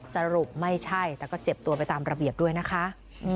สรุปไม่ใช่แต่ก็เจ็บตัวไปตามระเบียบด้วยนะคะ